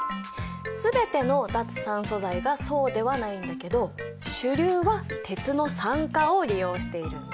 全ての脱酸素剤がそうではないんだけど主流は鉄の酸化を利用しているんだ。